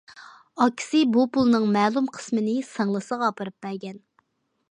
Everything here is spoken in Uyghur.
ئاكىسى بۇ پۇلنىڭ مەلۇم قىسمىنى سىڭلىسىغا ئاپىرىپ بەرگەن.